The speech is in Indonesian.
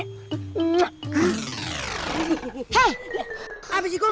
wah rasain tuh